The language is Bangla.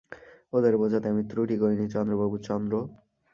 ওঁদের বোঝাতে আমি ত্রুটি করি নি চন্দ্রবাবু– চন্দ্র।